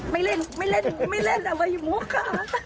ไม่เล่นไม่เล่นอะไรหมดค่ะ